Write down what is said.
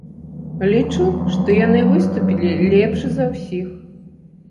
Лічу, што яны выступілі лепш за ўсіх.